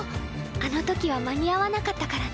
あのときは間に合わなかったからね。